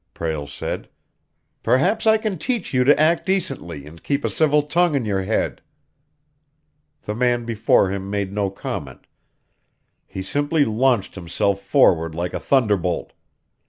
Prale said. "Perhaps I can teach you to act decently and keep a civil tongue in your head!" The man before him made no comment he simply launched himself forward like a thunderbolt.